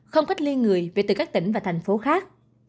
không cách ly người về từ các tỉnh và thành phố khác